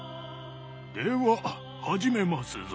では始めますぞ。